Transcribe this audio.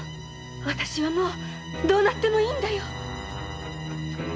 私はもうどうなってもいいんだよ！